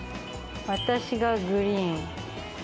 私がグリーン。